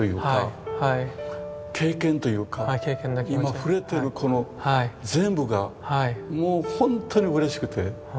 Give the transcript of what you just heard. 今触れてるこの全部がもう本当にうれしくて。